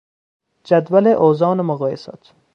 جدول اوزان و مقیاسات